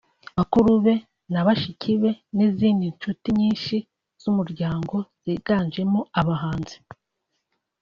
bakuru be na bashiki be n’izindi nshuti nyinshi z’umuryango ziganjemo abahanzi